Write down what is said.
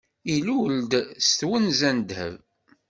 Ilul-d s twenza n ddheb.